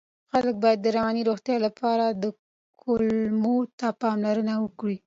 خلک باید د رواني روغتیا لپاره کولمو ته پاملرنه وکړي.